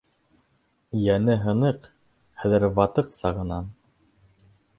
Йәне һыныҡ хәҙер ватыҡ сағынан.